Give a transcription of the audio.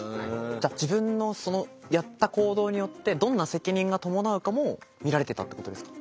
じゃあ自分のやった行動によってどんな責任が伴うかも見られてたってことですか。